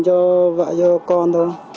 cho vợ cho con